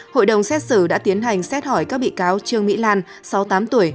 hội đồng xét xử đã tiến hành xét hỏi các bị cáo trương mỹ lan sáu mươi tám tuổi